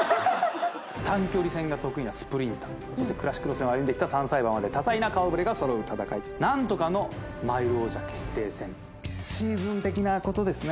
短距離戦が得意なスプリンタークラシック路線を歩んできた３歳馬まで多彩な顔ぶれが揃う戦い何とかのマイル王者決定戦シーズン的なことですね